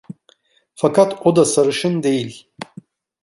Fakat o da sarışın değil!